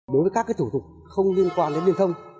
đối với các thủ tục không liên quan đến liên thông